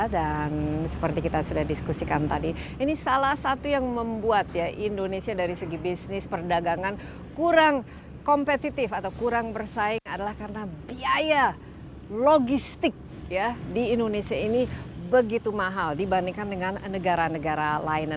dan seperti kita sudah diskusikan tadi ini salah satu yang membuat ya indonesia dari segi bisnis perdagangan kurang kompetitif atau kurang bersaing adalah karena biaya logistik ya di indonesia ini begitu mahal dibandingkan dengan negara negara lain